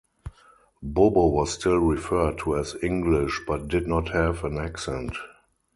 Bobo was still referred to as English but did not have an accent.